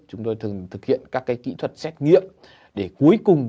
chúng tôi thường thực hiện các kỹ thuật xét nghiệm để cuối cùng